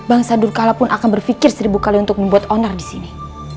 bangsa durkala pun akan berfikir seribu kali untuk membuat owner disini